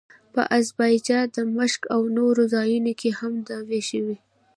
په اذربایجان، دمشق او نورو ځایونو کې هم دعوې شوې.